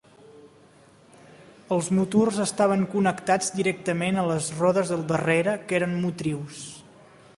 Els motors estaven connectats directament a les rodes del darrere, que eren motrius.